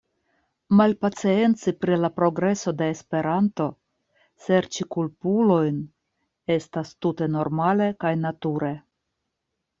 Malpacienci pri la progreso de Esperanto, serĉi kulpulojn, estas tute normale kaj nature.